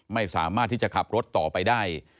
ไม่สามารถที่จะขับรถต่อไปได้